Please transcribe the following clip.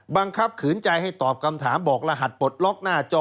ขืนใจให้ตอบคำถามบอกรหัสปลดล็อกหน้าจอ